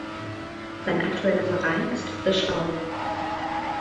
Sein aktueller Verein ist Frisch Auf!